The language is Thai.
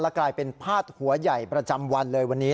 กลายเป็นพาดหัวใหญ่ประจำวันเลยวันนี้